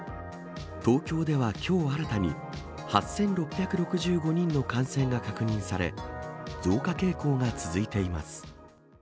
東京ではきょう新たに、８６６５人の感染が確認され、増加傾向が続いています。